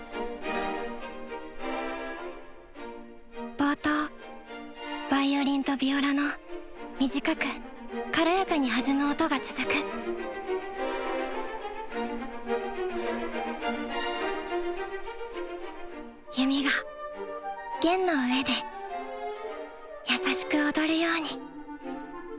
冒頭ヴァイオリンとヴィオラの短く軽やかに弾む音が続く弓が弦の上で優しく踊るように。